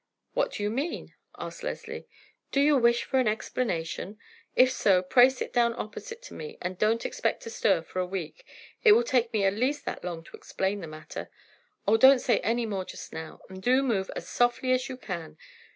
"What do you mean?" asked Leslie. "Do you wish for an explanation? If so, pray sit down opposite to me and don't expect to stir for a week; it will take me at least as long to explain the matter. Oh, don't say any more just now, and do move as softly as you can!